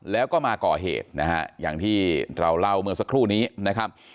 แล้วก็มาก่อเหตุนะฮะอย่างที่เราเล่าเมื่อสักครู่นี้นะครับ